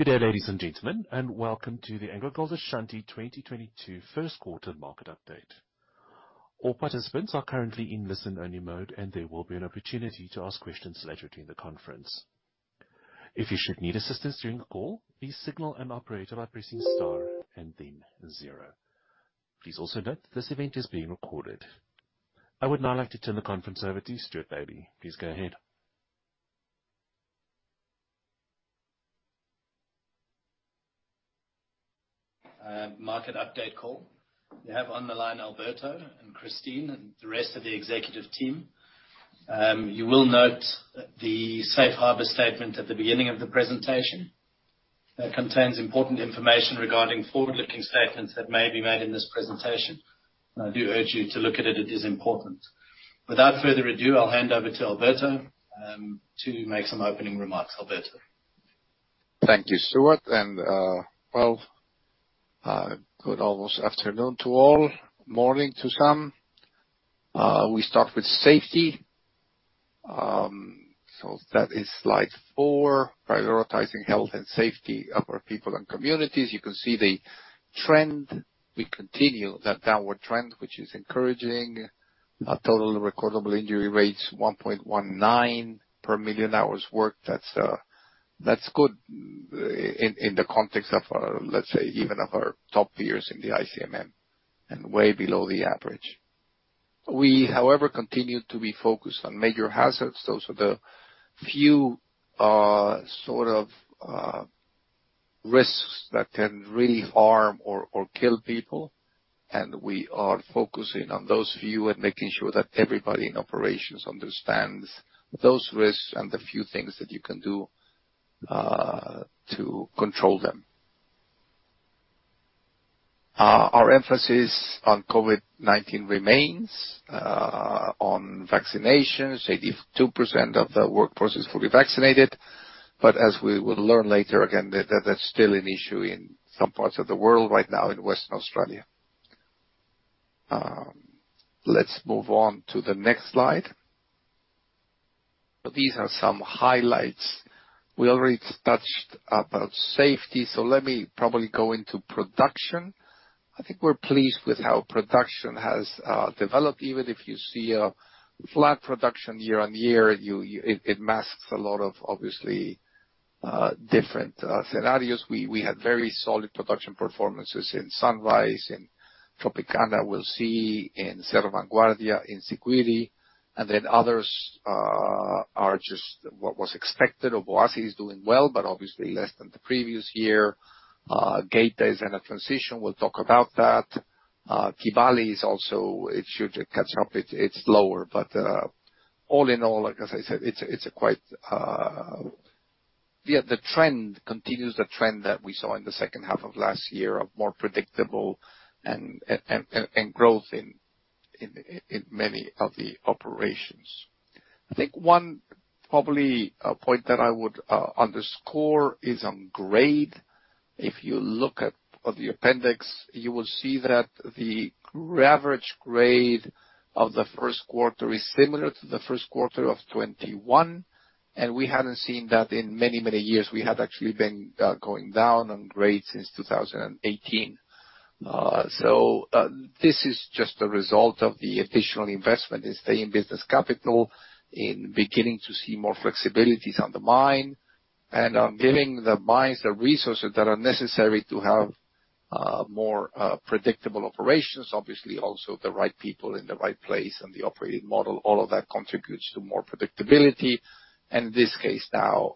Good day, ladies and gentlemen, and welcome to the AngloGold Ashanti 2022 first quarter market update. All participants are currently in listen-only mode, and there will be an opportunity to ask questions later during the conference. If you should need assistance during the call, please signal an operator by pressing star and then zero. Please also note this event is being recorded. I would now like to turn the conference over to Stewart Bailey. Please go ahead. Market update call. We have on the line Alberto and Christine and the rest of the executive team. You will note the safe harbor statement at the beginning of the presentation that contains important information regarding forward-looking statements that may be made in this presentation. I do urge you to look at it. It is important. Without further ado, I'll hand over to Alberto to make some opening remarks. Alberto. Thank you, Stewart. Well, good almost afternoon to all, morning to some. We start with safety. That is slide four, prioritizing health and safety of our people and communities. You can see the trend. We continue that downward trend, which is encouraging. Our total recordable injury rate is 1.19 per million hours worked. That's good in the context of, let's say, even our top peers in the ICMM and way below the average. We, however, continue to be focused on major hazards. Those are the few risks that can really harm or kill people, and we are focusing on those few and making sure that everybody in operations understands those risks and the few things that you can do to control them. Our emphasis on COVID-19 remains on vaccinations. 82% of the workforce is fully vaccinated. As we will learn later, again, that's still an issue in some parts of the world right now, in Western Australia. Let's move on to the next slide. These are some highlights. We already touched about safety, so let me probably go into production. I think we're pleased with how production has developed. Even if you see a flat production year-over-year, it masks a lot of obviously different scenarios. We had very solid production performances in Sunrise, in Tropicana. We'll see in Cerro Vanguardia, in Siguiri, and then others are just what was expected. Obuasi is doing well, but obviously less than the previous year. Geita is in a transition. We'll talk about that. Kibali is also. It should catch up. It's lower, but all in all, like as I said, it's quite. Yeah, the trend continues, the trend that we saw in the second half of last year of more predictable and growth in many of the operations. I think one probably point that I would underscore is on grade. If you look at the appendix, you will see that the average grade of the first quarter is similar to the first quarter of 2021, and we haven't seen that in many years. We have actually been going down on grades since 2018. This is just a result of the additional investment in sustaining business capital, in beginning to see more flexibilities on the mine and on giving the mines the resources that are necessary to have more predictable operations. Obviously, also the right people in the right place and the operating model, all of that contributes to more predictability. In this case now,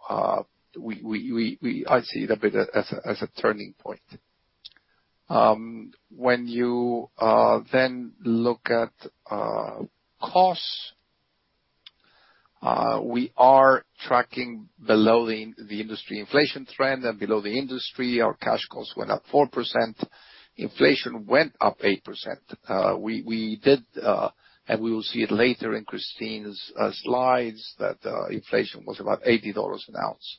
I see it a bit as a turning point. When you look at costs, we are tracking below the industry inflation trend and below the industry. Our cash costs went up 4%. Inflation went up 8%. We will see it later in Christine's slides, that inflation was about $80 an ounce.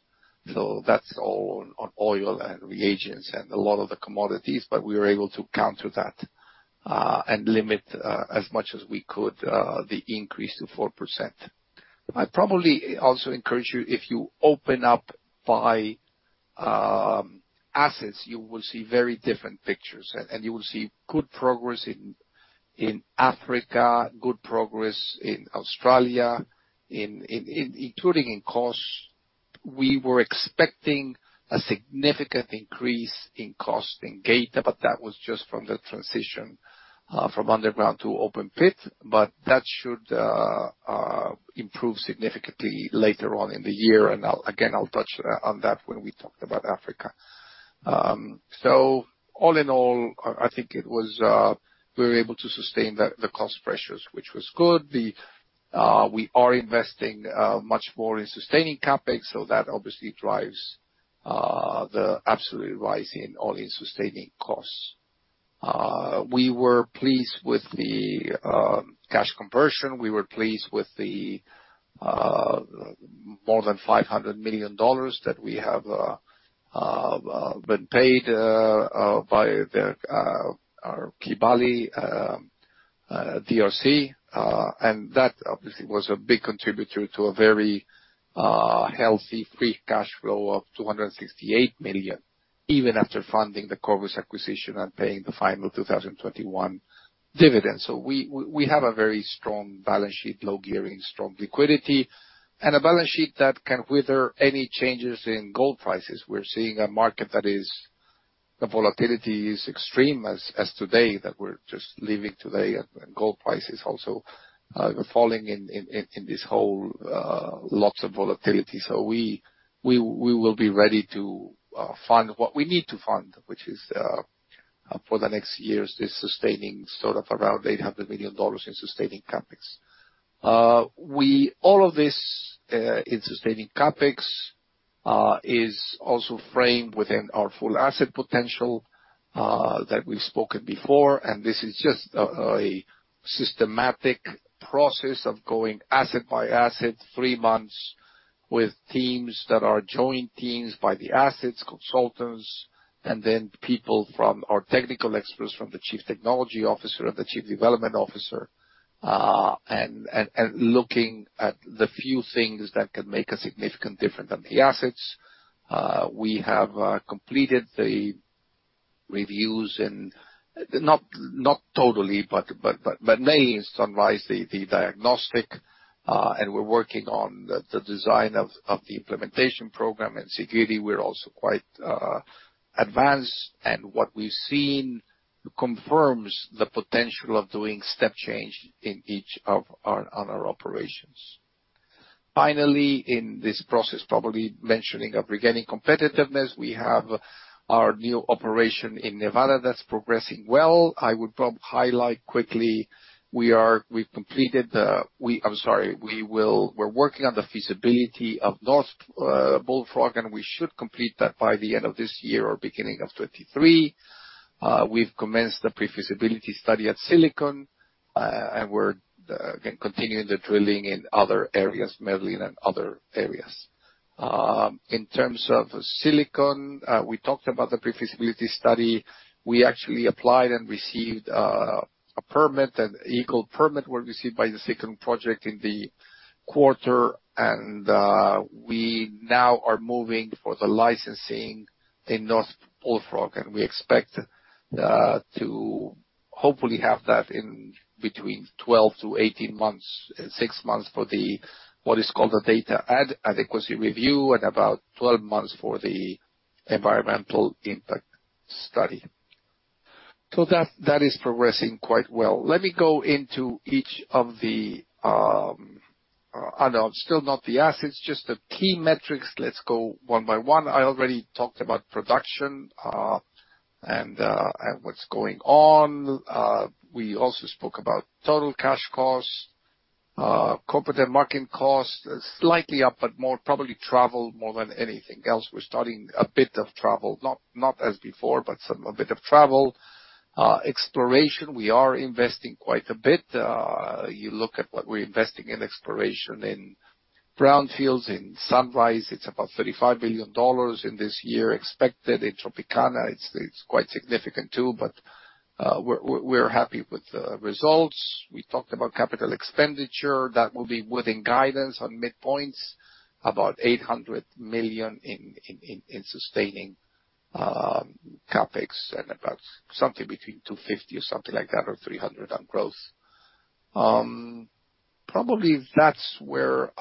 That's all on oil and reagents and a lot of the commodities, but we were able to counter that and limit as much as we could the increase to 4%. I probably also encourage you, if you open up by assets, you will see very different pictures, and you will see good progress in Africa, good progress in Australia, including in costs. We were expecting a significant increase in cost in Geita, but that was just from the transition from underground to open pit. But that should improve significantly later on in the year. I'll again touch on that when we talk about Africa. All in all, I think we were able to sustain the cost pressures, which was good. We are investing much more in sustaining CapEx, so that obviously drives the absolute rise in all-in sustaining costs. We were pleased with the cash conversion. We were pleased with the more than $500 million that we have been paid via our Kibali DRC, and that obviously was a big contributor to a very healthy free cash flow of $268 million, even after funding the Corvus acquisition and paying the final 2021 dividend. We have a very strong balance sheet, low gearing, strong liquidity, and a balance sheet that can weather any changes in gold prices. We're seeing a market. The volatility is extreme as of today that we're just living today, and gold price is also falling in this whole lots of volatility. We will be ready to fund what we need to fund, which is for the next years this sustaining sort of around $800 million in sustaining CapEx. All of this in sustaining CapEx is also framed within our Full Asset Potential that we've spoken before. This is just a systematic process of going asset by asset, three months with teams that are joint teams by the assets, consultants, and then people from our technical experts from the chief technology officer and the chief development officer, and looking at the few things that can make a significant difference on the assets. We have completed the reviews and not totally, but mine in Sunrise, the diagnostic, and we're working on the design of the implementation program. In Siguiri, we're also quite advanced, and what we've seen confirms the potential of doing step change in each of our operations. Finally, in this process, probably mentioning of regaining competitiveness, we have our new operation in Nevada that's progressing well. I would highlight quickly, we are, we've completed the. We're working on the feasibility of North Bullfrog, and we should complete that by the end of this year or beginning of 2023. We've commenced the pre-feasibility study at Silicon, and we're again continuing the drilling in other areas, Merlin and other areas. In terms of Silicon, we talked about the pre-feasibility study. We actually applied and received a permit. An eagle permit were received by the Silicon project in the quarter, and we now are moving for the licensing in North Bullfrog, and we expect to hopefully have that in between 12-18 months, six months for what is called the data adequacy review and about 12 months for the environmental impact study. That is progressing quite well. Let me go into just the key metrics. Let's go one by one. I already talked about production and what's going on. We also spoke about total cash costs, corporate and marketing costs, slightly up, but more probably travel more than anything else. We're starting a bit of travel, not as before, but some, a bit of travel. Exploration, we are investing quite a bit. You look at what we're investing in exploration in brownfields, in Sunrise, it's about $35 billion in this year expected. In Tropicana, it's quite significant too, but we're happy with the results. We talked about capital expenditure, that will be within guidance on midpoints, about $800 million in sustaining CapEx and about something between 250 or something like that or 300 on growth. Probably that's where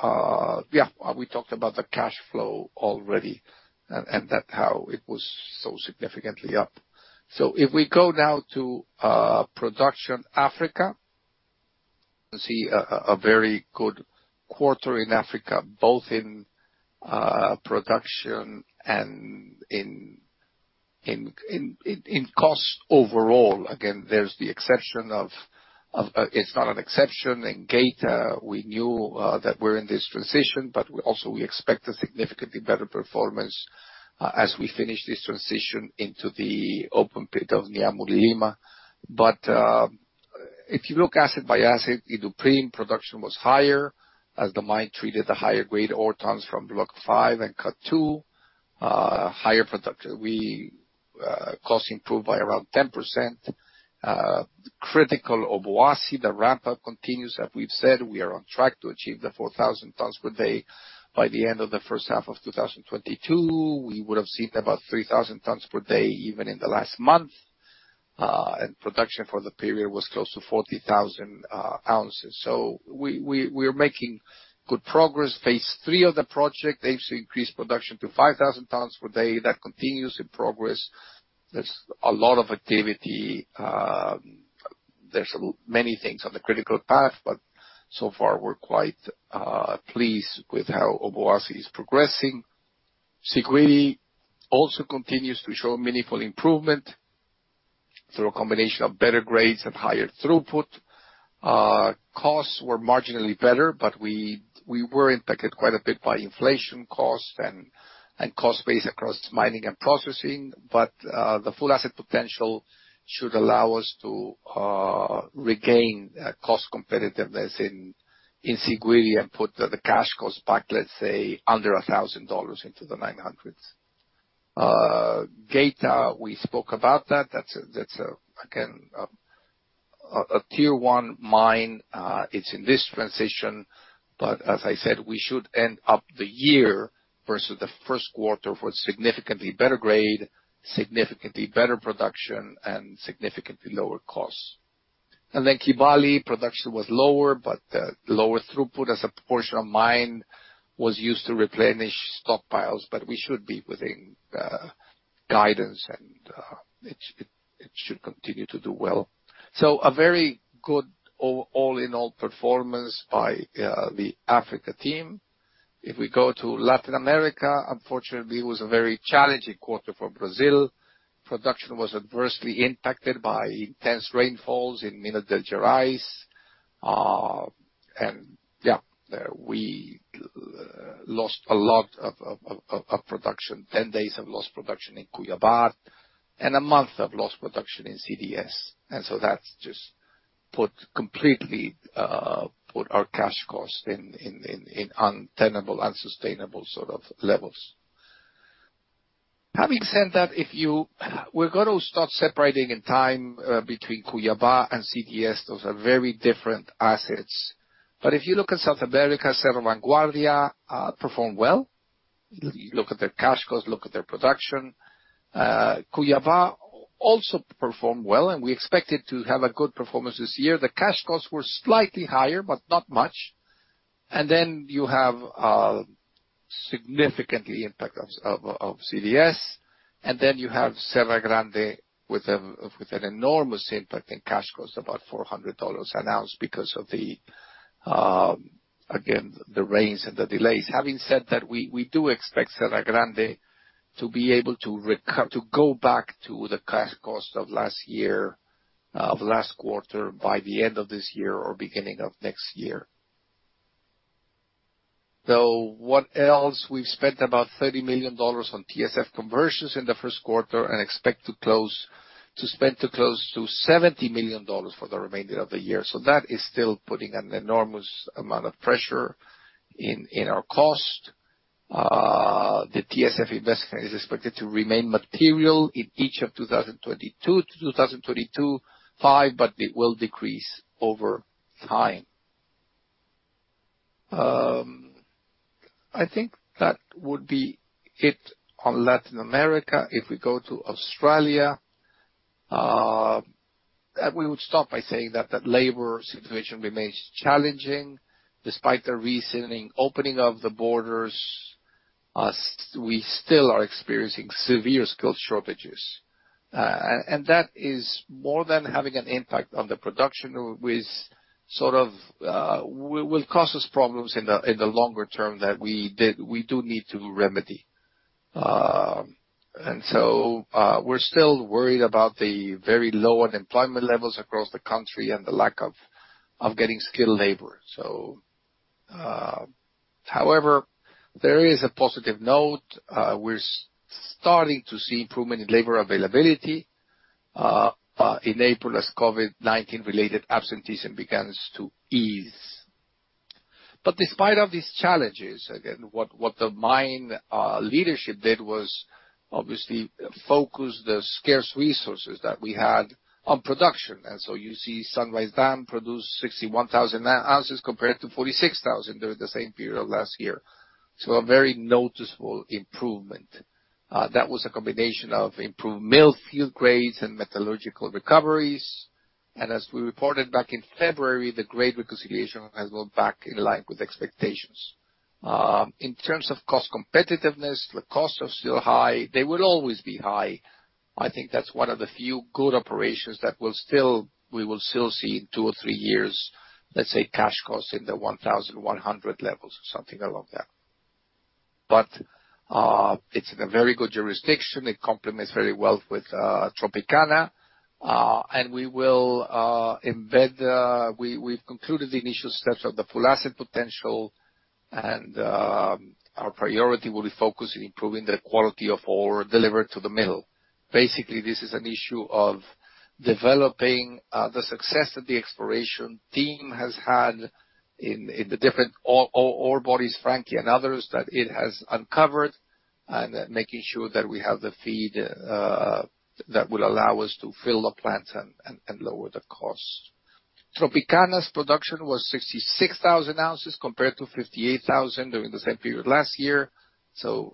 we talked about the cash flow already and that how it was so significantly up. If we go now to production Africa, see a very good quarter in Africa, both in production and in cost overall. Again, there's the exception of, it's not an exception in Geita. We knew that we're in this transition, but we also we expect a significantly better performance as we finish this transition into the open pit of Nyamulilima. If you look asset by asset, Iduapriem production was higher as the mine treated the higher grade ore tons from block five and cut two, higher production. Costs improved by around 10%. At Obuasi, the ramp-up continues. As we've said, we are on track to achieve the 4,000 tons per day by the end of the first half of 2022. We would've seen about 3,000 tons per day even in the last month, and production for the period was close to 40,000 ounces. We're making good progress. Phase III of the project aims to increase production to 5,000 tons per day. That continues in progress. There's a lot of activity. There's many things on the critical path, but so far we're quite pleased with how Obuasi is progressing. Siguiri also continues to show meaningful improvement through a combination of better grades and higher throughput. Costs were marginally better, but we were impacted quite a bit by inflation costs and cost base across mining and processing. The Full Asset Potential should allow us to regain cost competitiveness in Siguiri and put the cash costs back, let's say, under $1,000 into the 900s. Geita, we spoke about that. That's again a tier one mine. It's in this transition, but as I said, we should end up the year versus the first quarter with significantly better grade, significantly better production and significantly lower costs. Then Kibali production was lower, but lower throughput as a portion of mine was used to replenish stockpiles. We should be within guidance, and it should continue to do well. A very good all in all performance by the Africa team. If we go to Latin America, unfortunately, it was a very challenging quarter for Brazil. Production was adversely impacted by intense rainfalls in Minas Gerais. We lost a lot of production. 10 days of lost production in Cuiabá and a month of lost production in CDS. That's just put our cash costs in untenable, unsustainable sort of levels. Having said that, if you, we're gonna start separating in time between Cuiabá and CDS. Those are very different assets. If you look at South America, Cerro Vanguardia performed well. You look at their cash costs, look at their production. Cuiabá also performed well, and we expect it to have a good performance this year. The cash costs were slightly higher, but not much. You have significant impact of CDS. You have Serra Grande with an enormous impact in cash costs, about $400 an ounce because of, again, the rains and the delays. Having said that, we do expect Serra Grande to be able to go back to the cash cost of last year of last quarter by the end of this year or beginning of next year. What else? We've spent about $30 million on TSF conversions in the first quarter and expect to spend close to $70 million for the remainder of the year. That is still putting an enormous amount of pressure in our cost. The TSF investment is expected to remain material in each of 2022-2025, but it will decrease over time. I think that would be it on Latin America. If we go to Australia, we would start by saying that the labor situation remains challenging. Despite the recent opening of the borders, we still are experiencing severe skill shortages. And that is more than having an impact on the production will cause us problems in the longer term that we do need to remedy. We're still worried about the very low unemployment levels across the country and the lack of getting skilled labor. However, there is a positive note. We're starting to see improvement in labor availability in April as COVID-19 related absenteeism begins to ease. Despite of these challenges, again, what the mine leadership did was obviously focus the scarce resources that we had on production. You see Sunrise Dam produce 61,000 ounces compared to 46,000 during the same period last year. A very noticeable improvement. That was a combination of improved mill feed grades and metallurgical recoveries. As we reported back in February, the grade reconciliation has gone back in line with expectations. In terms of cost competitiveness, the costs are still high. They will always be high. I think that's one of the few good operations that will still, we will still see in two or three years, let's say cash costs in the $1,100 levels or something along that. It's in a very good jurisdiction. It complements very well with Tropicana. We will embed, we've concluded the initial steps of the Full Asset Potential, and our priority will be focused in improving the quality of ore delivered to the mill. Basically, this is an issue of developing the success that the exploration team has had in the different ore bodies, Frankie and others, that it has uncovered, and making sure that we have the feed that will allow us to fill the plant and lower the costs. Tropicana's production was 66,000 ounces compared to 58,000 during the same period last year.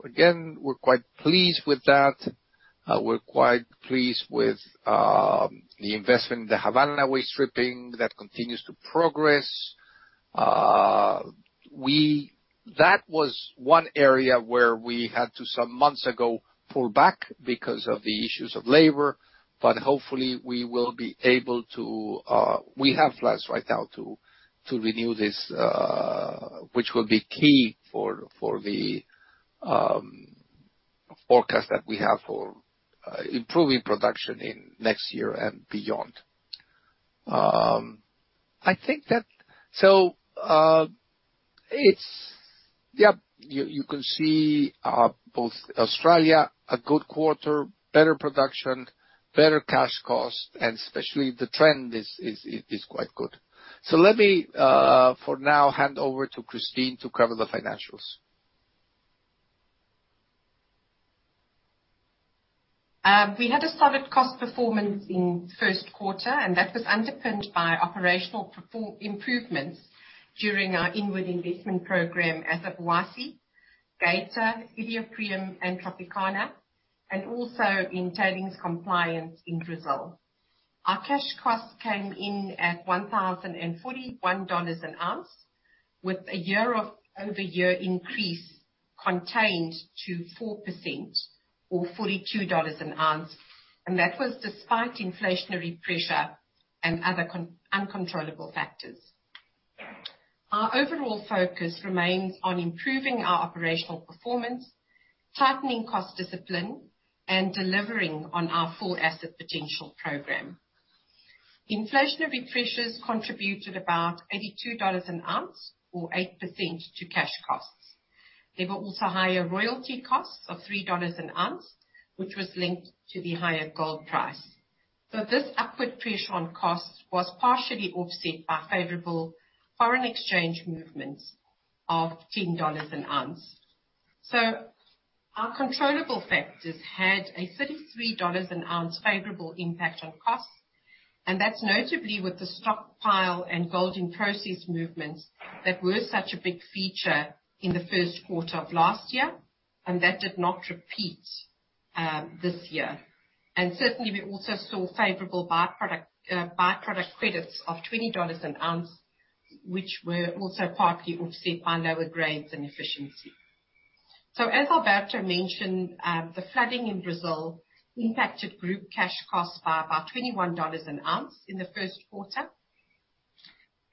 Again, we're quite pleased with that. We're quite pleased with the investment in the Havana waste stripping that continues to progress. That was one area where we had to, some months ago, pull back because of the issues of labor, but hopefully we will be able to. We have plans right now to renew this, which will be key for the forecast that we have for improving production in next year and beyond. I think that. You can see both Australia, a good quarter, better production, better cash cost, and especially the trend is quite good. Let me, for now, hand over to Christine to cover the financials. We had a solid cost performance in first quarter, and that was underpinned by operational improvements during our inward investment program at Obuasi, Geita, Iduapriem, and Tropicana, and also in tailings compliance in Brazil. Our cash costs came in at $1,041 an ounce, with a year-over-year increase contained to 4% or $42 an ounce, and that was despite inflationary pressure and other uncontrollable factors. Our overall focus remains on improving our operational performance, tightening cost discipline, and delivering on our Full Asset Potential program. Inflationary pressures contributed about $82 an ounce or 8% to cash costs. There were also higher royalty costs of $3 an ounce, which was linked to the higher gold price. This upward pressure on costs was partially offset by favorable foreign exchange movements of $10 an ounce. Our controllable factors had a $33 an ounce favorable impact on costs, and that's notably with the stockpile and gold in process movements that were such a big feature in the first quarter of last year, and that did not repeat this year. Certainly, we also saw favorable by-product credits of $20 an ounce, which were also partly offset by lower grades and efficiency. As Alberto mentioned, the flooding in Brazil impacted group cash costs by about $21 an ounce in the first quarter.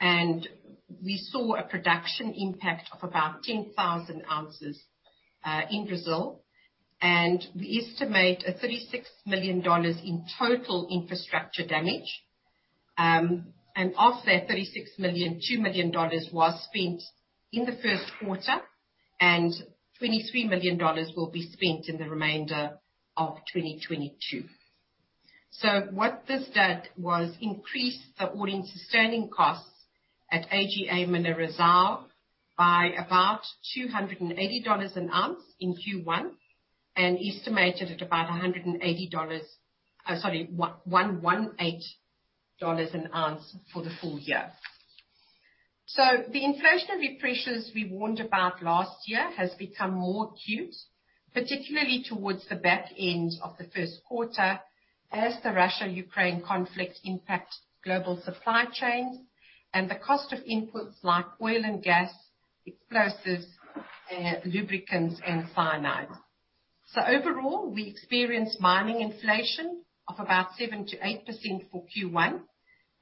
We saw a production impact of about 10,000 ounces in Brazil. We estimate $36 million in total infrastructure damage. Of that $36 million, $2 million was spent in the first quarter, and $23 million will be spent in the remainder of 2022. What this did was increase the all-in sustaining costs at AGA Mineração by about $280 an ounce in Q1 and estimated at about $118 an ounce for the full year. The inflationary pressures we warned about last year have become more acute, particularly towards the back end of the first quarter as the Russia-Ukraine conflict impacts global supply chains and the cost of inputs like oil and gas, explosives, lubricants and cyanide. Overall, we experienced mining inflation of about 7%-8% for Q1,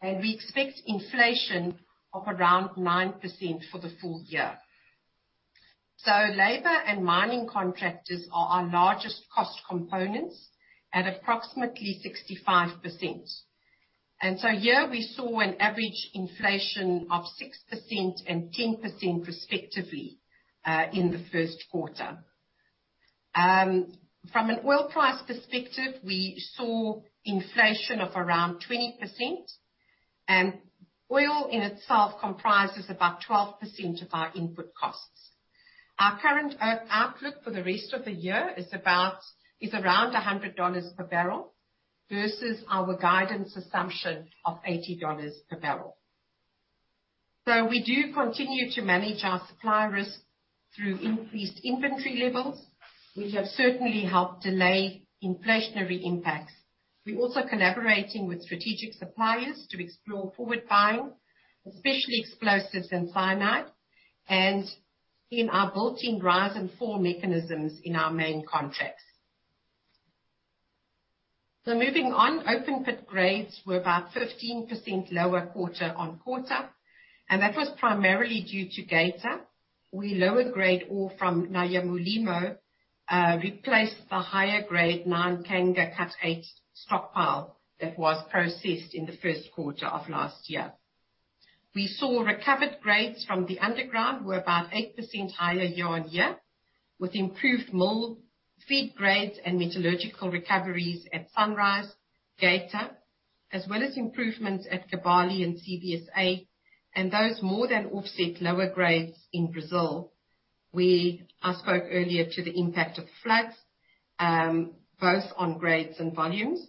and we expect inflation of around 9% for the full year. Labor and mining contractors are our largest cost components at approximately 65%. Here we saw an average inflation of 6% and 10% respectively in the first quarter. From an oil price perspective, we saw inflation of around 20%. Oil in itself comprises about 12% of our input costs. Our current outlook for the rest of the year is around $100 per barrel versus our guidance assumption of $80 per barrel. We do continue to manage our supply risk through increased inventory levels, which have certainly helped delay inflationary impacts. We're also collaborating with strategic suppliers to explore forward buying, especially explosives and cyanide, and in our built-in rise and fall mechanisms in our main contracts. Moving on. Open pit grades were about 15% lower quarter-over-quarter, and that was primarily due to Geita. We lower grade ore from Nyamulilima, replaced the higher grade Nyankanga Cut eight stockpile that was processed in the first quarter of last year. We saw recovered grades from the underground were about 8% higher year-on-year, with improved mill feed grades and metallurgical recoveries at Sunrise, Geita, as well as improvements at Kibali and CVSA, and those more than offset lower grades in Brazil, where I spoke earlier to the impact of floods, both on grades and volumes.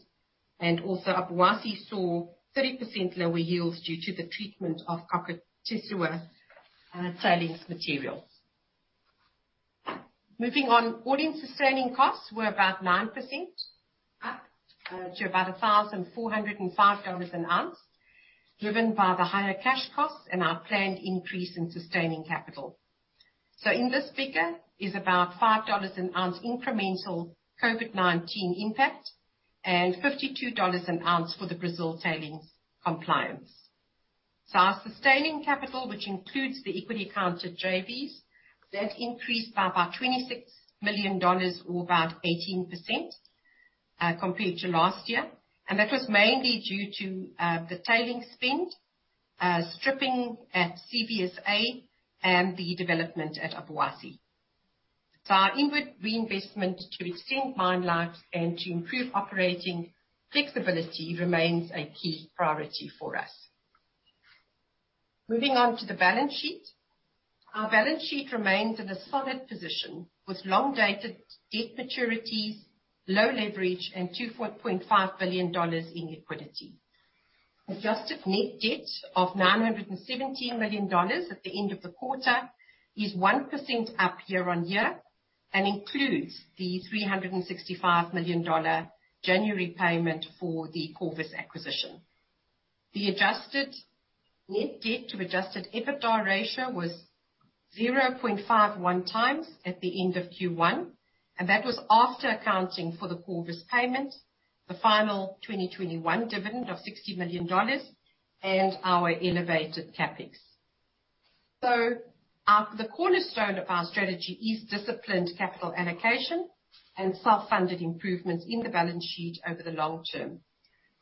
Obuasi saw 30% lower yields due to the treatment of tailings materials. Moving on. All-in sustaining costs were about 9% up to about $1,405 an ounce, driven by the higher cash costs and our planned increase in sustaining capital. In this figure is about $5 an ounce incremental COVID-19 impact and $52 an ounce for the Brazil tailings compliance. Our sustaining capital, which includes the equity account of JVs, that increased by about $26 million or about 18%, compared to last year. That was mainly due to the tailings spend, stripping at CVSA and the development at Obuasi. Our inward reinvestment to extend mine lives and to improve operating flexibility remains a key priority for us. Moving on to the balance sheet. Our balance sheet remains in a solid position with long-dated debt maturities, low leverage and $2.5 billion in liquidity. Adjusted net debt of $970 million at the end of the quarter is 1% up year-on-year, and includes the $365 million January payment for the Corvus acquisition. The adjusted net debt to Adjusted EBITDA ratio was 0.51x at the end of Q1, and that was after accounting for the Corvus payment, the final 2021 dividend of $60 million and our elevated CapEx. The cornerstone of our strategy is disciplined capital allocation and self-funded improvements in the balance sheet over the long term.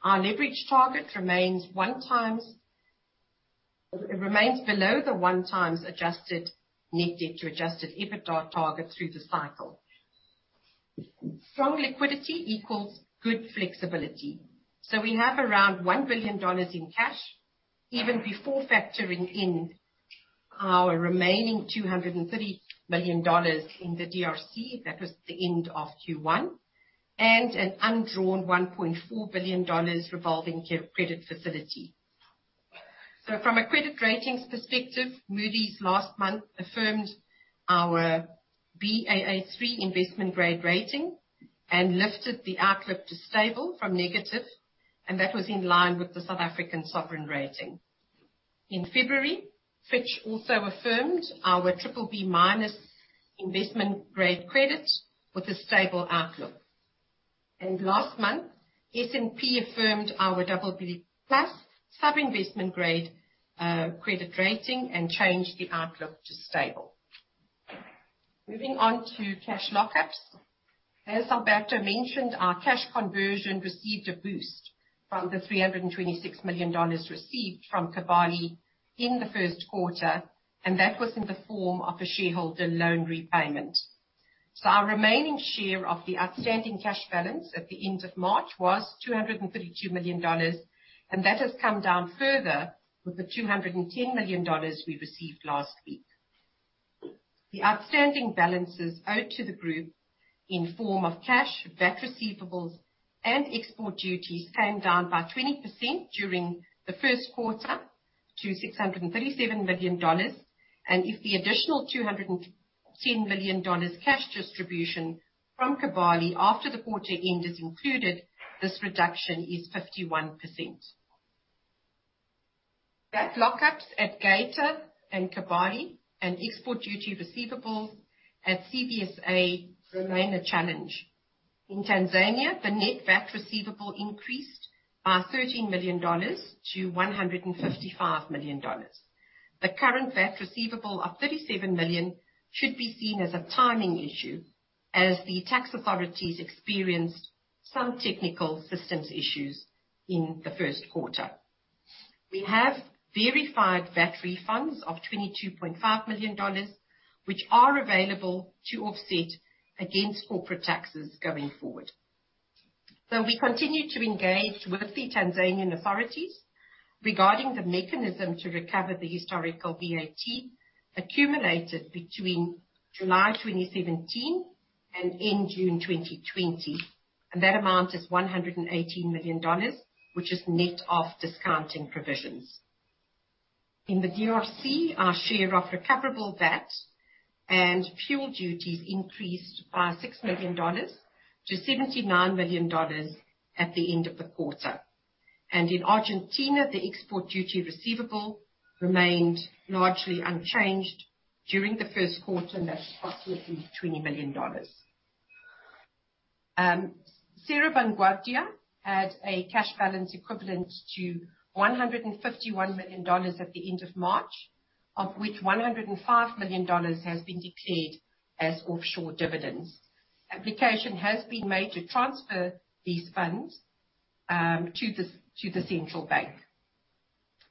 Our leverage target remains below the 1x adjusted net debt to Adjusted EBITDA target through the cycle. Strong liquidity equals good flexibility. We have around $1 billion in cash even before factoring in our remaining $230 million in the DRC. That was the end of Q1 and an undrawn $1.4 billion revolving credit facility. From a credit ratings perspective, Moody's last month affirmed our Baa3 investment grade rating and lifted the outlook to stable from negative, and that was in line with the South African sovereign rating. In February, Fitch also affirmed our BBB- investment grade credit with a stable outlook. Last month, S&P affirmed our BB+ sub-investment grade credit rating and changed the outlook to stable. Moving on to cash lockups. As Alberto mentioned, our cash conversion received a boost from the $326 million received from Kibali in the first quarter, and that was in the form of a shareholder loan repayment. Our remaining share of the outstanding cash balance at the end of March was $232 million, and that has come down further with the $210 million we received last week. The outstanding balances owed to the group in form of cash, VAT receivables and export duties came down by 20% during the first quarter to $637 million. If the additional $210 million cash distribution from Kibali after the quarter end is included, this reduction is 51%. That lockups at Geita and Kibali and export duty receivables at CVSA remain a challenge. In Tanzania, the net VAT receivable increased by $13 million-$155 million. The current VAT receivable of $37 million should be seen as a timing issue as the tax authorities experienced some technical systems issues in the first quarter. We have verified VAT refunds of $22.5 million, which are available to offset against corporate taxes going forward. We continue to engage with the Tanzanian authorities regarding the mechanism to recover the historical VAT accumulated between July 2017 and end June 2020. That amount is $118 million, which is net of discounting provisions. In the DRC, our share of recoverable VAT and fuel duties increased by $6 million-$79 million at the end of the quarter. In Argentina, the export duty receivable remained largely unchanged during the first quarter, and that's approximately $20 million. Cerro Vanguardia had a cash balance equivalent to $151 million at the end of March, of which $105 million has been declared as offshore dividends. Application has been made to transfer these funds to the central bank.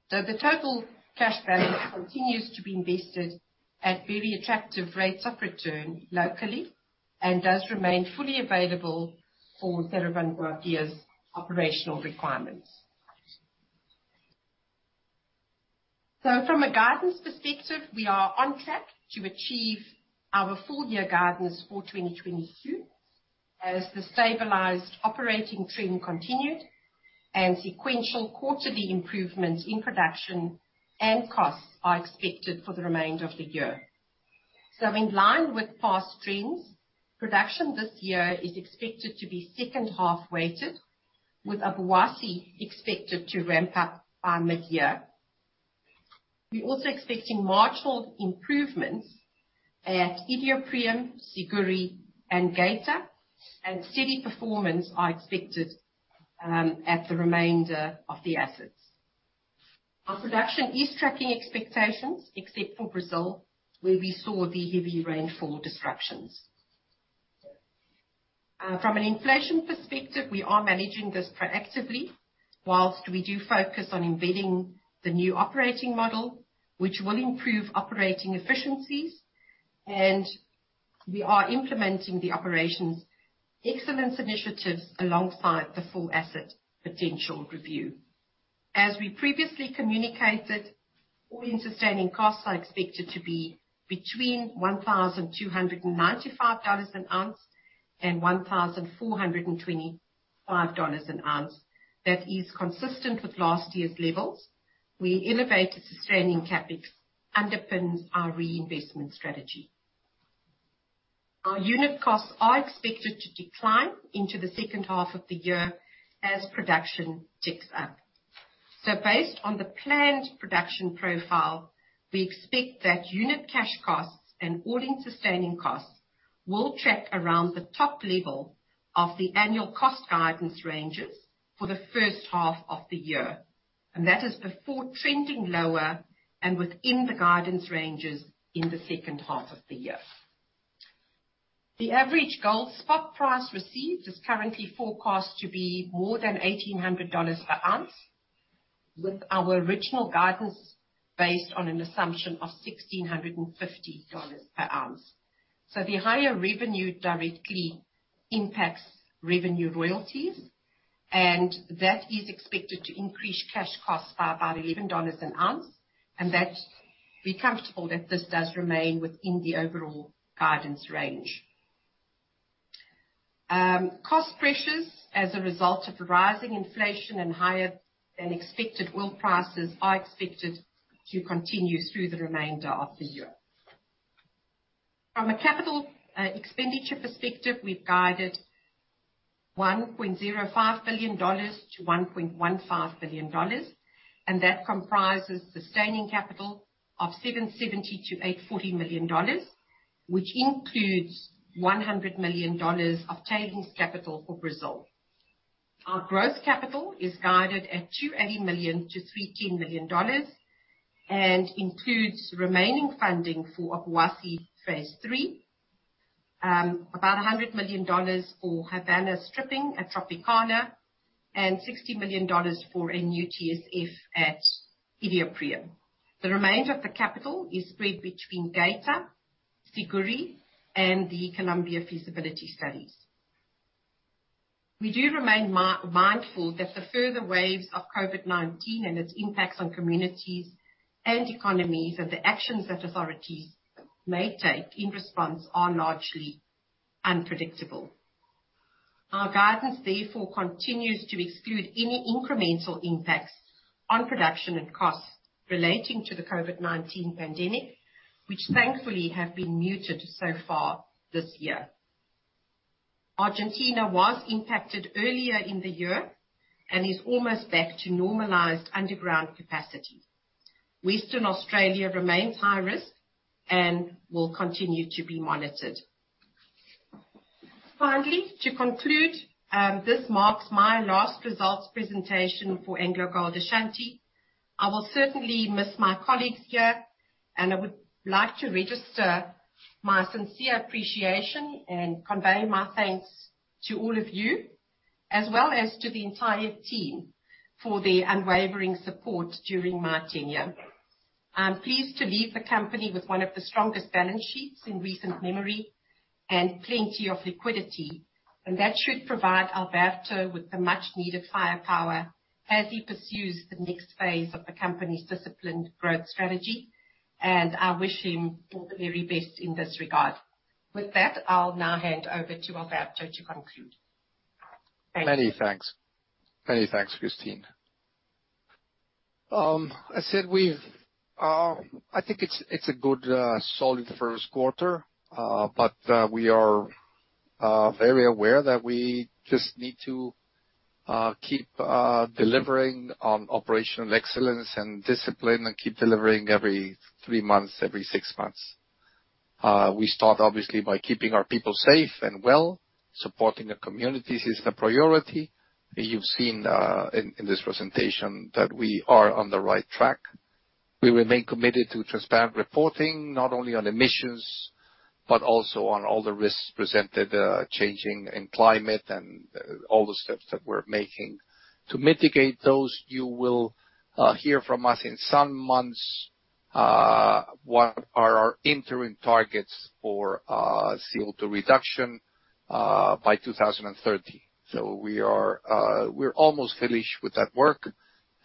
The total cash balance continues to be invested at very attractive rates of return locally and does remain fully available for Cerro Vanguardia's operational requirements. From a guidance perspective, we are on track to achieve our full year guidance for 2022 as the stabilized operating trend continued and sequential quarterly improvements in production and costs are expected for the remainder of the year. In line with past trends, production this year is expected to be second half weighted with Obuasi expected to ramp up by mid-year. We're also expecting marginal improvements at Iduapriem, Siguiri and Geita, and steady performance is expected at the remainder of the assets. Our production is tracking expectations except for Brazil, where we saw the heavy rainfall disruptions. From an inflation perspective, we are managing this proactively while we do focus on embedding the new operating model, which will improve operating efficiencies and we are implementing the operations excellence initiatives alongside the Full Asset Potential review. As we previously communicated, all-in sustaining costs are expected to be between $1,295 an ounce and $1,425 an ounce. That is consistent with last year's levels. Our elevated sustaining CapEx underpins our reinvestment strategy. Our unit costs are expected to decline into the second half of the year as production ticks up. Based on the planned production profile, we expect that unit cash costs and all-in sustaining costs will track around the top level of the annual cost guidance ranges for the first half of the year. That is before trending lower and within the guidance ranges in the second half of the year. The average gold spot price received is currently forecast to be more than $1,800 per ounce, with our original guidance based on an assumption of $1,650 per ounce. The higher revenue directly impacts revenue royalties, and that is expected to increase cash costs by about $11 an ounce, and that we're comfortable that this does remain within the overall guidance range. Cost pressures as a result of rising inflation and higher than expected oil prices are expected to continue through the remainder of the year. From a capital expenditure perspective, we've guided $1.05 billion-$1.15 billion, and that comprises sustaining capital of $770 million-$840 million, which includes $100 million of tailings capital for Brazil. Our growth capital is guided at $280 million-$310 million and includes remaining funding for Obuasi phase III. About $100 million for Havana stripping at Tropicana, and $60 million for a new TSF at Iduapriem. The remainder of the capital is spread between Geita, Siguiri, and the Colombia feasibility studies. We do remain mindful that the further waves of COVID-19 and its impacts on communities and economies, that the actions that authorities may take in response are largely unpredictable. Our guidance, therefore, continues to exclude any incremental impacts on production and costs relating to the COVID-19 pandemic, which thankfully have been muted so far this year. Argentina was impacted earlier in the year and is almost back to normalized underground capacity. Western Australia remains high risk and will continue to be monitored. Finally, to conclude, this marks my last results presentation for AngloGold Ashanti. I will certainly miss my colleagues here, and I would like to register my sincere appreciation and convey my thanks to all of you, as well as to the entire team for their unwavering support during my tenure. I'm pleased to leave the company with one of the strongest balance sheets in recent memory and plenty of liquidity, and that should provide Alberto with the much-needed firepower as he pursues the next phase of the company's disciplined growth strategy, and I wish him all the very best in this regard. With that, I'll now hand over to Alberto to conclude. Thank you. Many thanks. Many thanks, Christine. I said we've I think it's a good solid first quarter. We are very aware that we just need to keep delivering on operational excellence and discipline and keep delivering every three months, every six months. We start obviously by keeping our people safe and well. Supporting the communities is the priority. You've seen in this presentation that we are on the right track. We remain committed to transparent reporting, not only on emissions, but also on all the risks presented by changing climate and all the steps that we're making. To mitigate those, you will hear from us in some months what are our interim targets for CO2 reduction by 2030. We're almost finished with that work,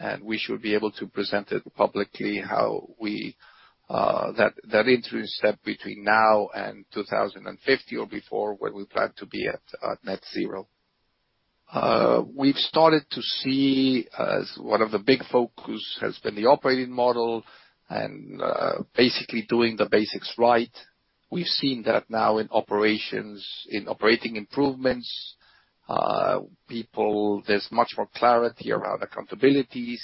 and we should be able to present it publicly that interim step between now and 2050 or before, where we plan to be at net zero. We've started to see one of the big focus has been the operating model and basically doing the basics right. We've seen that now in operations, in operating improvements. People, there's much more clarity around accountabilities.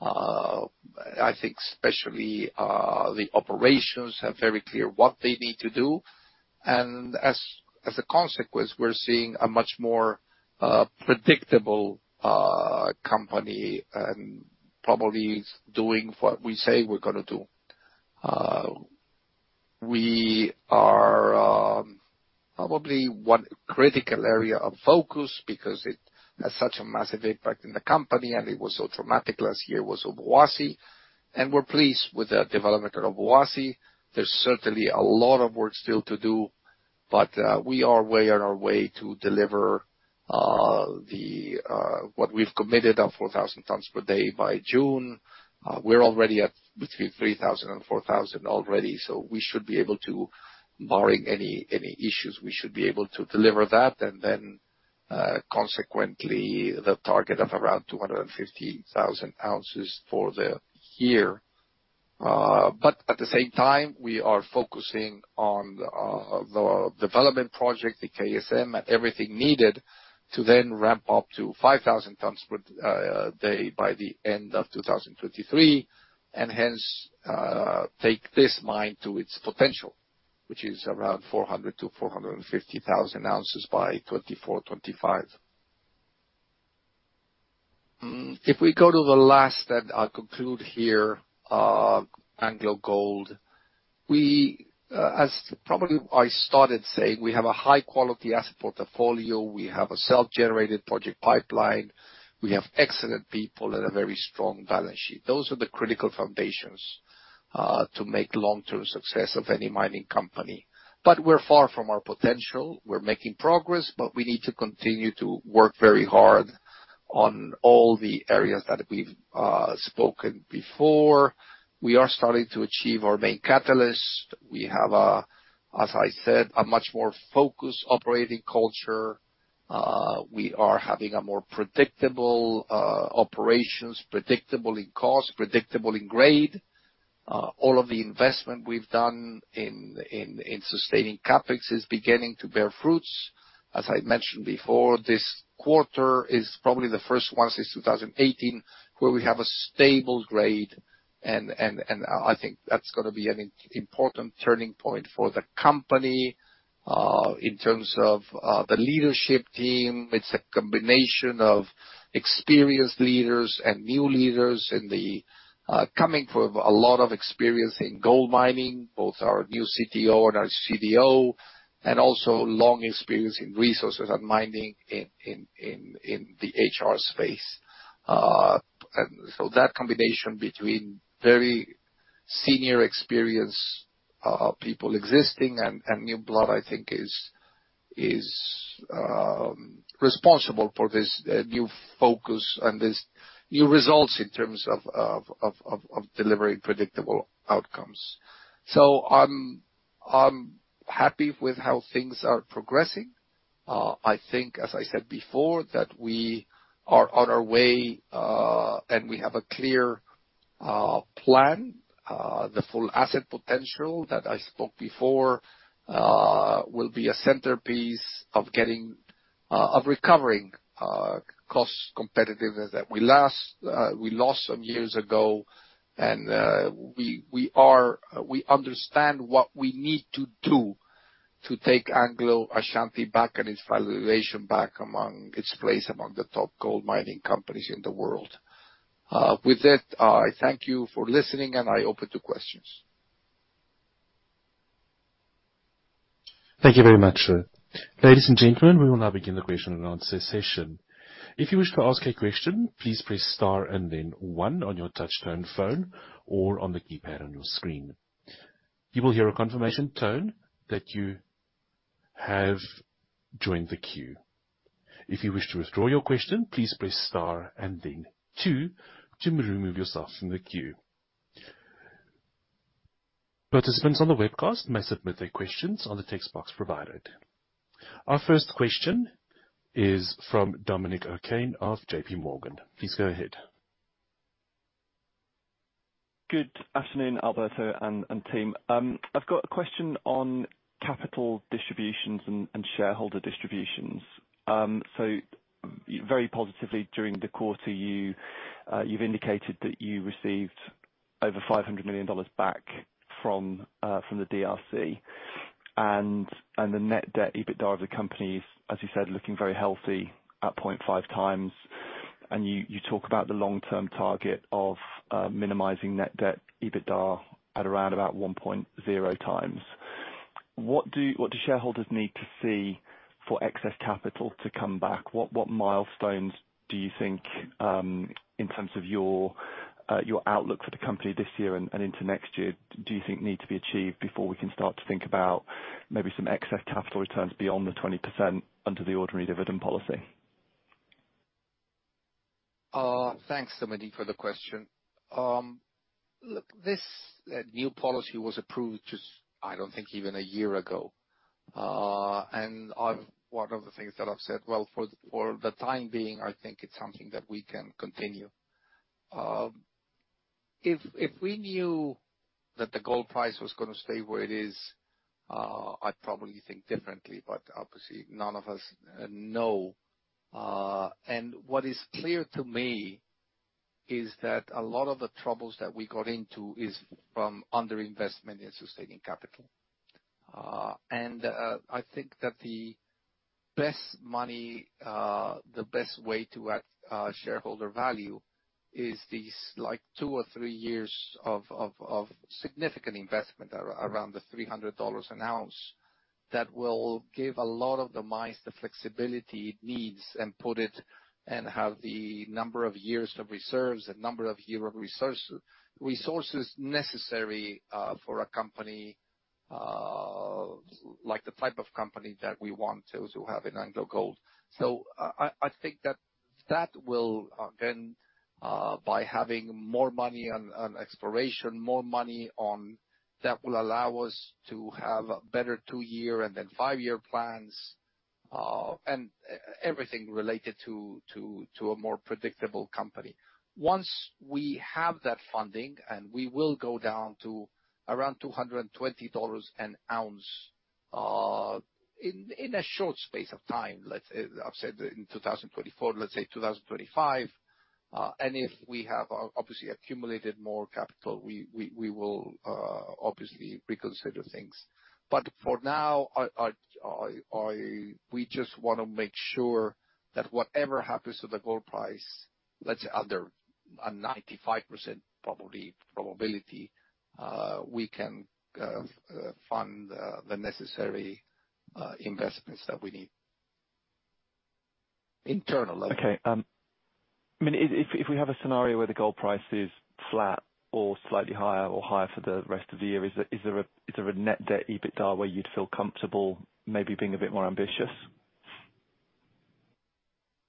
I think especially the operations are very clear what they need to do. As a consequence, we're seeing a much more predictable company and probably doing what we say we're gonna do. Probably one critical area of focus because it has such a massive impact in the company, and it was so traumatic last year, was Obuasi. We're pleased with the development of Obuasi. There's certainly a lot of work still to do, but we are way on our way to deliver what we've committed, 4,000 tons per day by June. We're already at between 3,000 and 4,000 already, so we should be able to, barring any issues, deliver that. Then, consequently, the target of around 250,000 ounces for the year. But at the same time, we are focusing on the development project, the KMS, and everything needed to then ramp up to 5,000 tons per day by the end of 2023, and hence, take this mine to its potential, which is around 400,000-450,000 ounces by 2024, 2025. If we go to the last, then I'll conclude here, AngloGold Ashanti. We, as probably I started saying, we have a high-quality asset portfolio, we have a self-generated project pipeline, we have excellent people and a very strong balance sheet. Those are the critical foundations to make long-term success of any mining company. We're far from our potential. We're making progress, but we need to continue to work very hard on all the areas that we've spoken before. We are starting to achieve our main catalyst. We have, as I said, a much more focused operating culture. We are having a more predictable operations, predictable in cost, predictable in grade. All of the investment we've done in sustaining CapEx is beginning to bear fruits. As I mentioned before, this quarter is probably the first one since 2018 where we have a stable grade, and I think that's gonna be an important turning point for the company. In terms of the leadership team, it's a combination of experienced leaders and new leaders coming from a lot of experience in gold mining, both our new CTO and our CDO, and also long experience in resources and mining in the HR space. That combination between very senior experienced people existing and new blood, I think is responsible for this new focus and this new results in terms of delivering predictable outcomes. I'm happy with how things are progressing. I think, as I said before, that we are on our way, and we have a clear plan. The Full Asset Potential that I spoke before will be a centerpiece of recovering cost competitiveness that we lost some years ago. We understand what we need to do to take AngloGold Ashanti back and its valuation back among its place among the top gold mining companies in the world. With that, I thank you for listening, and I open to questions. Thank you very much. Ladies and gentlemen, we will now begin the question and answer session. If you wish to ask a question, please press star and then one on your touch tone phone or on the keypad on your screen. You will hear a confirmation tone that you have joined the queue. If you wish to withdraw your question, please press star and then two to remove yourself from the queue. Participants on the webcast may submit their questions on the text box provided. Our first question is from Dominic O'Kane of JPMorgan. Please go ahead. Good afternoon, Alberto and team. I've got a question on capital distributions and shareholder distributions. Very positively, during the quarter you've indicated that you received over $500 million back from the DRC. The net debt EBITDA of the company is, as you said, looking very healthy at 0.5x. You talk about the long-term target of minimizing net debt EBITDA at around about 1.0x. What do shareholders need to see for excess capital to come back? What milestones do you think, in terms of your outlook for the company this year and into next year, do you think need to be achieved before we can start to think about maybe some excess capital returns beyond the 20% under the ordinary dividend policy? Thanks, Dominic, for the question. Look, this new policy was approved just, I don't think even a year ago. One of the things that I've said, well, for the time being, I think it's something that we can continue. If we knew that the gold price was gonna stay where it is, I'd probably think differently, but obviously none of us know. What is clear to me is that a lot of the troubles that we got into is from under-investment in sustaining capital. I think that the best way to add shareholder value is these like two or three years of significant investment around $300 an ounce that will give a lot of the mines the flexibility it needs and have the number of years of reserves and number of years of resources necessary for a company like the type of company that we want to have in AngloGold Ashanti. I think that will then by having more money on exploration. That will allow us to have better two-year and then five-year plans and everything related to a more predictable company. Once we have that funding, we will go down to around $220 an ounce in a short space of time, let's say. I've said in 2024, let's say 2025. If we have obviously accumulated more capital, we will obviously reconsider things. But for now, we just wanna make sure that whatever happens to the gold price, let's say under a 95% probability, we can fund the necessary investments that we need internally. Okay. I mean, if we have a scenario where the gold price is flat or slightly higher or higher for the rest of the year, is there a net debt EBITDA where you'd feel comfortable maybe being a bit more ambitious?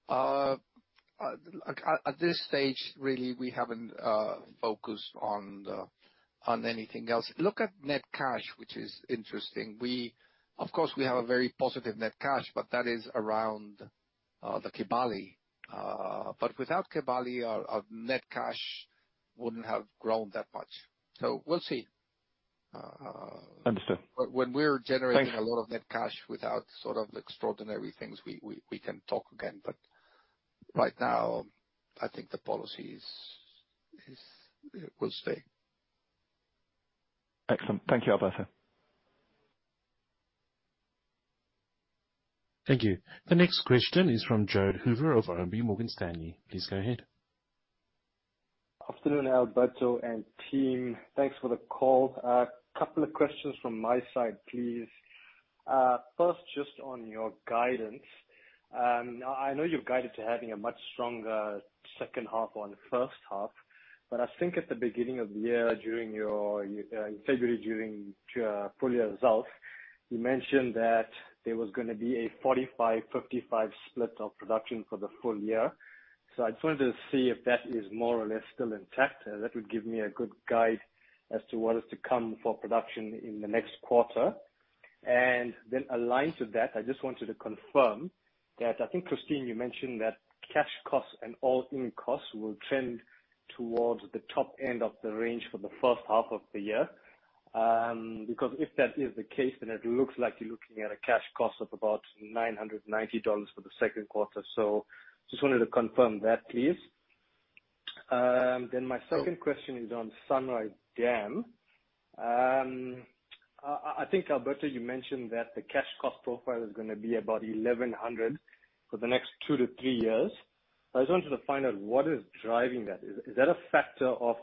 At this stage, really, we haven't focused on anything else. Look at net cash, which is interesting. Of course, we have a very positive net cash, but that is around the Kibali. Without Kibali, our net cash wouldn't have grown that much. We'll see. Understood. When we're generating. Thank you. A lot of net cash without sort of extraordinary things, we can talk again. Right now, I think the policy is. It will stay. Excellent. Thank you, Alberto. Thank you. The next question is from Jared Hoover of RMB Morgan Stanley. Please go ahead. Afternoon, Alberto and team. Thanks for the call. A couple of questions from my side, please. First, just on your guidance. I know you've guided to having a much stronger second half on first half, but I think at the beginning of the year, in February, during your full year results, you mentioned that there was gonna be a 45-55 split of production for the full year. I just wanted to see if that is more or less still intact. That would give me a good guide as to what is to come for production in the next quarter. Aligned to that, I just wanted to confirm that, I think, Christine, you mentioned that cash costs and all-in costs will trend towards the top end of the range for the first half of the year. Because if that is the case, then it looks like you're looking at a cash cost of about $990 for the second quarter. Just wanted to confirm that, please. My second question is on Sunrise Dam. I think, Alberto, you mentioned that the cash cost profile is gonna be about $1,100 for the next two-three years. I just wanted to find out what is driving that. Is that a factor of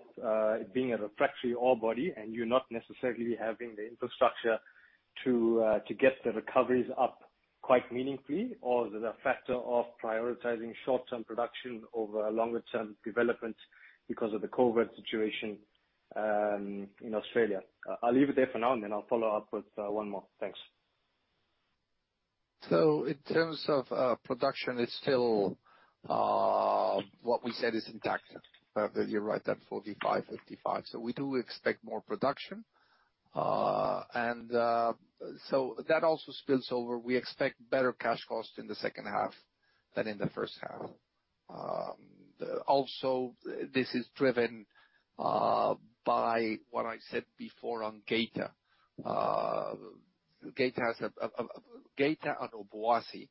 it being a refractory ore body and you not necessarily having the infrastructure to get the recoveries up quite meaningfully? Or is it a factor of prioritizing short-term production over longer-term development because of the COVID situation in Australia? I'll leave it there for now, and then I'll follow up with one more. Thanks. In terms of production, it's still what we said is intact. You're right, that 45-55. We do expect more production. That also spills over. We expect better cash cost in the second half than in the first half. Also, this is driven by what I said before on Geita. Geita and Obuasi,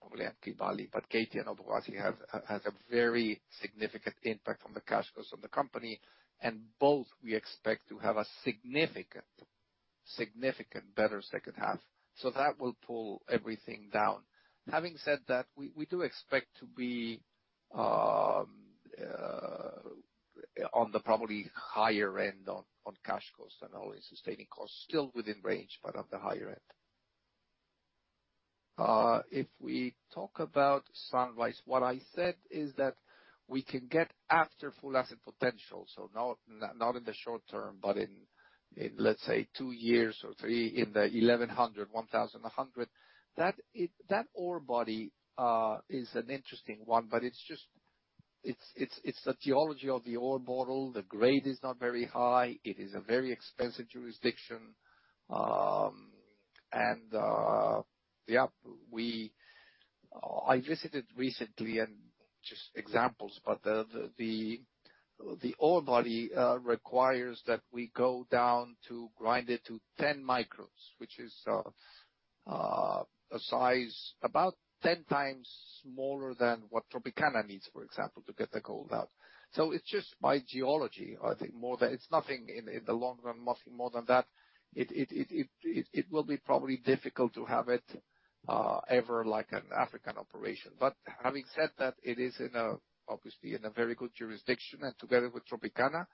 probably and Kibali, but Geita and Obuasi have a very significant impact on the cash costs on the company. Both we expect to have a significant better second half. That will pull everything down. Having said that, we do expect to be on the probably higher end on cash costs and all-in sustaining costs, still within range, but at the higher end. If we talk about Sunrise, what I said is that we can get after Full Asset Potential, so not in the short term, but in let's say two years or three in the $1,100-$1,100. That ore body is an interesting one, but it's just the geology of the ore model. The grade is not very high. It is a very expensive jurisdiction. Yeah, I visited recently, for example, but the ore body requires that we go down to grind it to 10 microns, which is a size about 10x smaller than what Tropicana needs, for example, to get the gold out. So it's just by geology, I think more than. It's nothing in the long run, nothing more than that. It will be probably difficult to have it ever like an African operation. Having said that, it is obviously in a very good jurisdiction and together with Tropicana,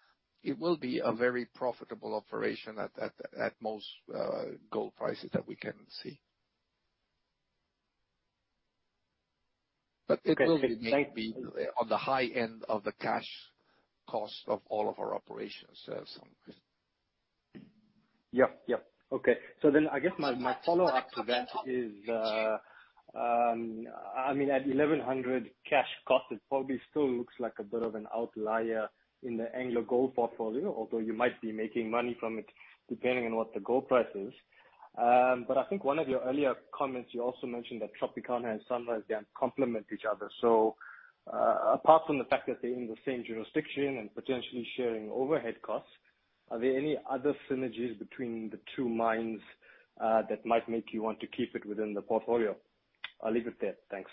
it will be a very profitable operation at most gold prices that we can see. It will be maybe on the high end of the cash cost of all of our operations. I guess my follow-up to that is, I mean, at $1,100 cash cost, it probably still looks like a bit of an outlier in the AngloGold Ashanti portfolio. Although you might be making money from it depending on what the gold price is. I think one of your earlier comments, you also mentioned that Tropicana and Sunrise Dam complement each other. Apart from the fact that they're in the same jurisdiction and potentially sharing overhead costs, are there any other synergies between the two mines, that might make you want to keep it within the portfolio? I'll leave it there. Thanks.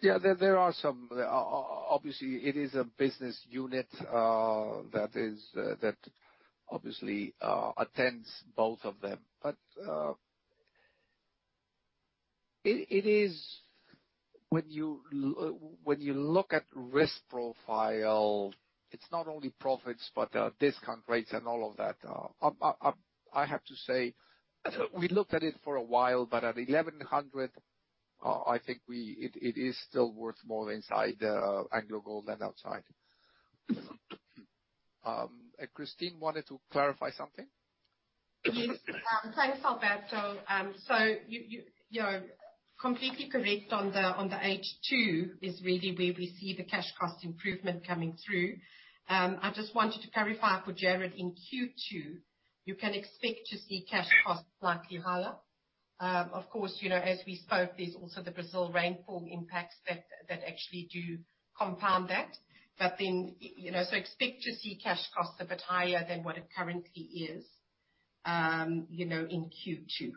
Yeah, there are some. Obviously, it is a business unit that obviously affects both of them. It is when you look at risk profile, it's not only profits but discount rates and all of that. I have to say, we looked at it for a while, but at $1,100, I think it is still worth more inside AngloGold Ashanti than outside. Christine wanted to clarify something. Yes. Thanks, Alberto. So you're completely correct on the H2 is really where we see the cash cost improvement coming through. I just wanted to clarify for Jared, in Q2, you can expect to see cash costs likely higher. Of course, you know, as we spoke, there's also the Brazil rainfall impacts that actually do compound that. But then, you know, so expect to see cash costs a bit higher than what it currently is, you know, in Q2.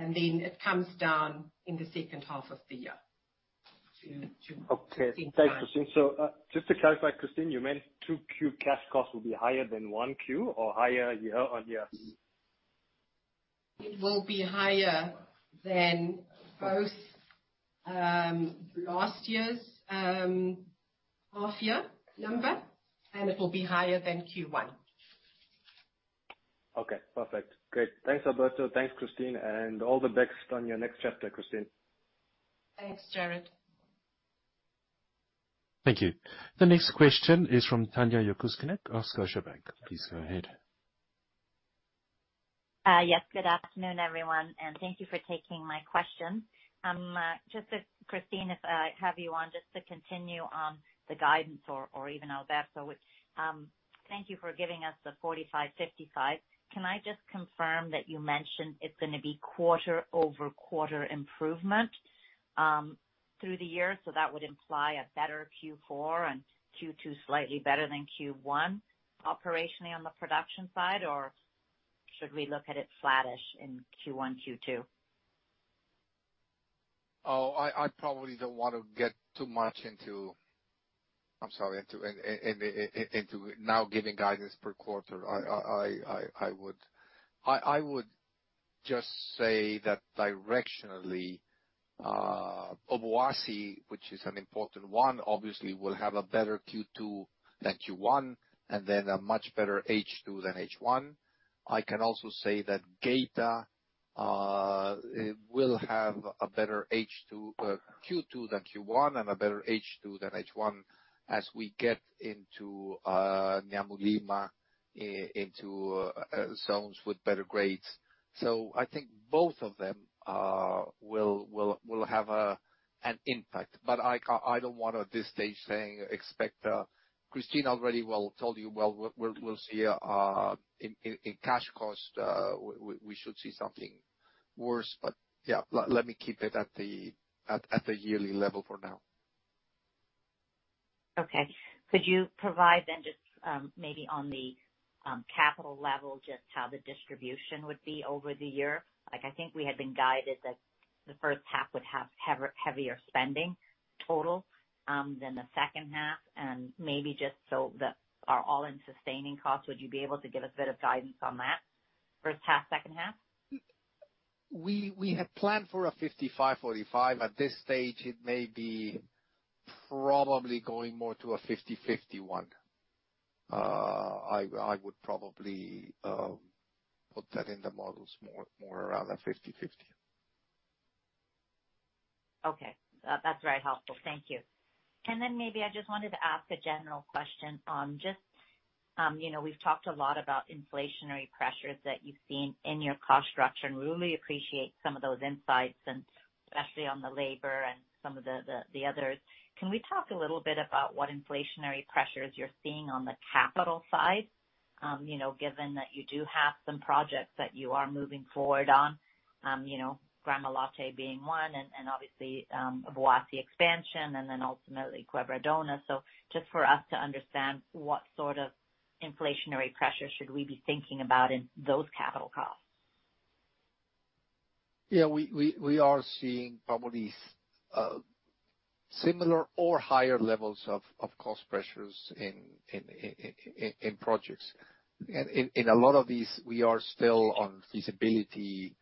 And then it comes down in the second half of the year to. Okay. Thanks, Christine. Just to clarify, Christine, you meant 2Q cash costs will be higher than 1Q or higher year-on-year? It will be higher than both last year's half-year number, and it will be higher than Q1. Okay, perfect. Great. Thanks, Alberto. Thanks, Christine. All the best on your next chapter, Christine. Thanks, Jared. Thank you. The next question is from Tanya Jakusconek of Scotiabank. Please go ahead. Yes, good afternoon, everyone, and thank you for taking my question. Just, Christine, if I have you on just to continue on the guidance or even Alberto, thank you for giving us the 45-55. Can I just confirm that you mentioned it's gonna be quarter-over-quarter improvement through the year? That would imply a better Q4 and Q2 slightly better than Q1 operationally on the production side or should we look at it flattish in Q1, Q2? I probably don't wanna get too much into. I'm sorry, into now giving guidance per quarter. I would just say that directionally, Obuasi, which is an important one, obviously will have a better Q2 than Q1 and then a much better H2 than H1. I can also say that Geita, it will have a better H2, Q2 than Q1 and a better H2 than H1 as we get into Nyamulilima into zones with better grades. I think both of them will have an impact. I don't wanna at this stage saying expect. Christine already well told you well, we'll see in cash costs we should see something worse, but yeah, let me keep it at the yearly level for now. Okay. Could you provide then just, maybe on the, capital level, just how the distribution would be over the year? Like, I think we had been guided that the first half would have heavier spending total, than the second half. Maybe just our all-in sustaining costs, would you be able to give a bit of guidance on that? First half, second half. We had planned for a 55-45. At this stage, it may be probably going more to a 50-50. I would probably put that in the models more around that 50-50. Okay. That's very helpful. Thank you. Maybe I just wanted to ask a general question on just, you know, we've talked a lot about inflationary pressures that you've seen in your cost structure, and we really appreciate some of those insights, and especially on the labor and some of the others. Can we talk a little bit about what inflationary pressures you're seeing on the capital side? You know, given that you do have some projects that you are moving forward on, you know, Gramalote being one and obviously, Obuasi expansion and then ultimately Quebradona. Just for us to understand what sort of inflationary pressure should we be thinking about in those capital costs? Yeah, we are seeing probably similar or higher levels of cost pressures in projects. In a lot of these, we are still on feasibility,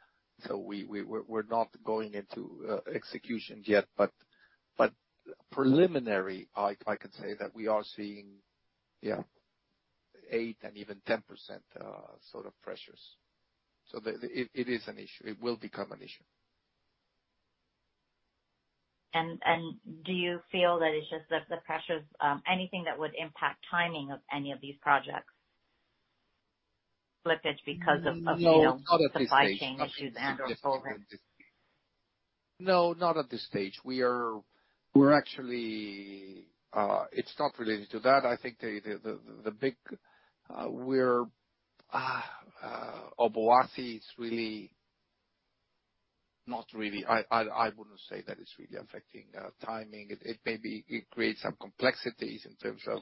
so we're not going into execution yet. Preliminary, I can say that we are seeing, yeah, 8% and even 10% sort of pressures. It is an issue. It will become an issue. Do you feel that it's just the pressures, anything that would impact timing of any of these projects? Slippage because of you know? No, not at this stage. supply chain issues and/or COVID? No, not at this stage. We're actually. It's not related to that. I think the big worry is Obuasi. I wouldn't say that it's really affecting timing. It may be, it creates some complexities in terms of,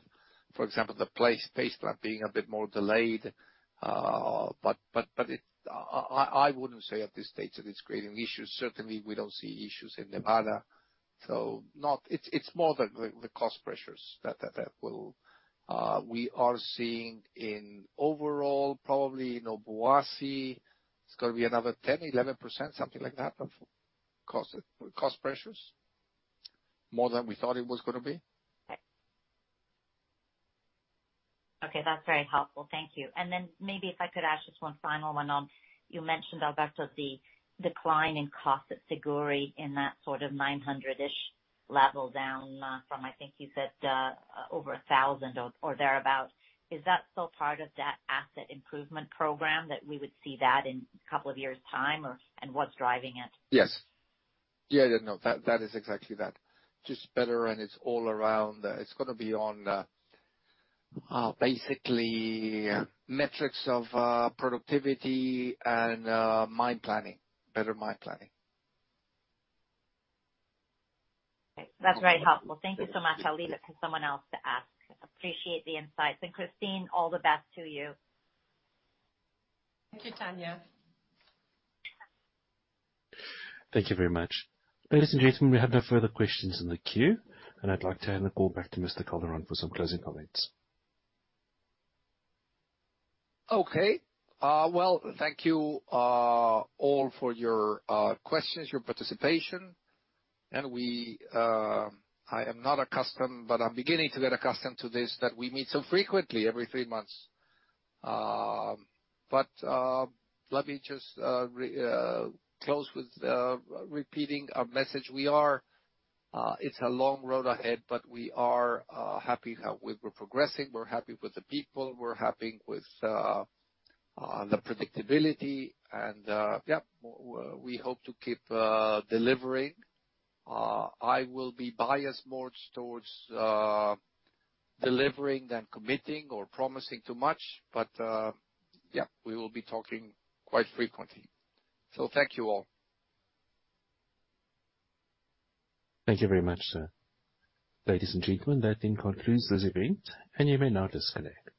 for example, the phase base plant being a bit more delayed. But I wouldn't say at this stage that it's creating issues. Certainly we don't see issues in Nevada, so not. It's more the cost pressures that we're seeing overall probably in Obuasi. It's gonna be another 10%-11%, something like that of cost pressures, more than we thought it was gonna be. Okay, that's very helpful. Thank you. Maybe if I could ask just one final one on, you mentioned, Alberto, the decline in cost at Siguiri in that sort of $900-ish level down from I think you said over $1,000 or thereabout. Is that still part of that asset improvement program that we would see that in a couple of years' time or what's driving it? Yes. Yeah, no, that is exactly that. Just better and it's all around, it's gonna be on, basically metrics of, productivity and, mine planning, better mine planning. Okay. That's very helpful. Thank you so much. I'll leave it to someone else to ask. Appreciate the insights. Christine, all the best to you. Thank you, Tanya. Thank you very much. Ladies and gentlemen, we have no further questions in the queue, and I'd like to hand the call back to Mr. Calderon for some closing comments. Okay. Well, thank you all for your questions, your participation. I am not accustomed, but I'm beginning to get accustomed to this, that we meet so frequently every three months. Let me just close with repeating our message. We are, it's a long road ahead, but we are happy how we're progressing. We're happy with the people. We're happy with the predictability and, yeah, we hope to keep delivering. I will be biased more towards delivering than committing or promising too much. Yeah, we will be talking quite frequently. Thank you all. Thank you very much, sir. Ladies and gentlemen, that then concludes this event, and you may now disconnect.